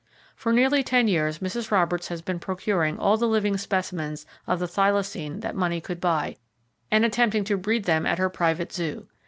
For nearly ten years Mrs. Roberts has been procuring all the living specimens of the thylacine that money could buy, and attempting to breed them at her private zoo.